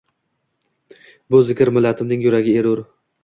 Bu zrk millatimning yuragi erur.